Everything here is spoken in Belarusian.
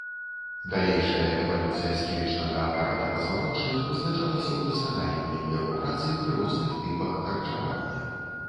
Далейшая эвалюцыя сківічнага апарата пазваночных вызначалася удасканаленнем яго працы пры розных тыпах харчавання.